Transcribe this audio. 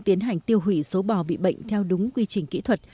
tiến hành tiêu hủy số bò bị bệnh theo đúng quy trình kỹ thuật